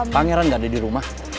pangeran gak ada di rumah